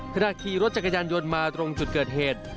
ขณะขี่รถจักรยานยนต์มาตรงจุดเกิดเหตุ